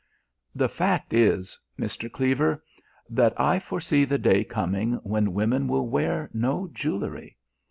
"The fact is, Mr. Cleaver, that I foresee the day coming when women will wear no jewellery.